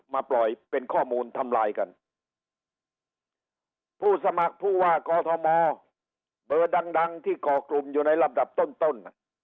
มาปล่อยเป็นข้อมูลทำลายกันผู้สมัครผู้ว่ากอทมเบอร์ดังดังที่ก่อกลุ่มอยู่ในลำดับต้นต้น